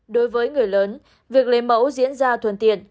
đối với người lớn việc lấy mẫu diễn ra thuần tiện